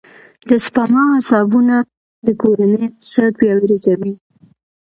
د سپما حسابونه د کورنۍ اقتصاد پیاوړی کوي.